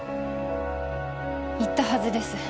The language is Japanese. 言ったはずです。